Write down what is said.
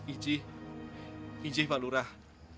inji inji pak lurah